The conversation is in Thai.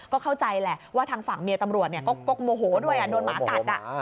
ก็เข้าใจแหละว่าทางฝั่งเมียตำรวจก็โมโหด้วยโดนหมากัด